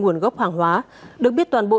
nguồn gốc hàng hóa được biết toàn bộ